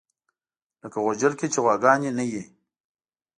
لکه غوجل کې چې غواګانې نه وي.